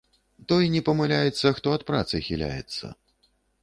Той не памыляецца, хто ад працы хіляецца